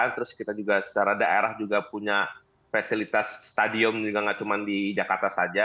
terus kita juga secara daerah juga punya fasilitas stadium juga nggak cuma di jakarta saja